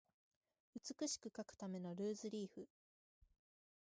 美しく書くためのルーズリーフ